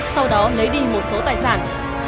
sau đó lấy đi một số tài sản